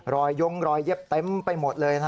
ยงรอยเย็บเต็มไปหมดเลย